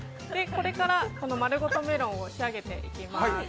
これからマルゴトメロンを仕上げていきます。